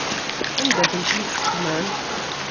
Anda-tent yissetma-m?